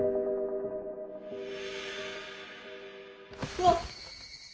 うわっ。